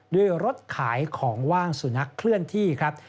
ด้วยรถขายของว่างสุนัขเคลื่อนที่ครับ